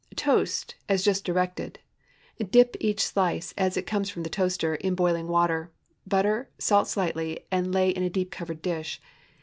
✠ Toast as just directed; dip each slice, as it comes from the toaster, in boiling water; butter, salt slightly, and lay in a deep covered dish.